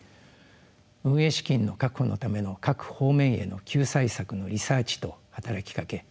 運営資金の確保のための各方面への救済策のリサーチと働きかけ